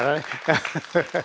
アハハハ。